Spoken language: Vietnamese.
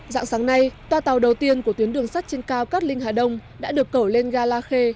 dạng sáng nay toa tàu đầu tiên của tuyến đường sắt trên cao cát linh hà đông đã được cẩu lên ga la khê